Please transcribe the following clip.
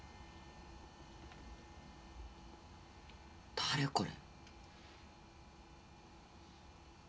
誰これ？